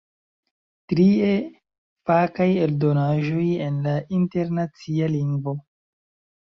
Trie, fakaj eldonaĵoj en la internacia lingvo.